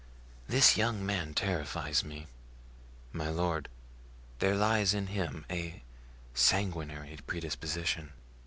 This young man terrifies me, my lord; there lies in him a sanguinary predisposition."